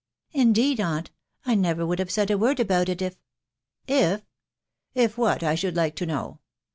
" Indeed, aunt, I new would have aaidja rad if " "If? if what, I should like to know